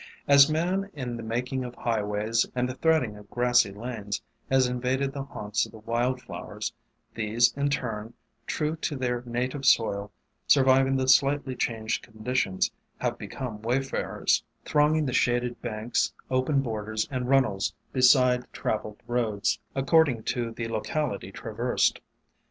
As man, in the making of highways and the threading of grassy lanes, has invaded the haunts of the wild flowers, these in turn, true to their R 273 274 WAYFAREllS native soil, surviving the slightly changed conditions, have become wayfarers, thronging the shaded banks, open borders, and runnels beside travelled roads, according to the locality traversed.